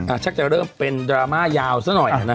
ชักจะเริ่มเป็นดราม่ายาวซะหน่อย